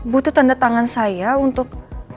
butuh tanda tangan saya untuk